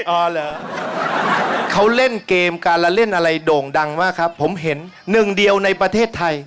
อ๋อเหรอเขาเล่นเกมการละเล่นอะไรโด่งดังมากครับผมเห็นหนึ่งเดียวในประเทศไทย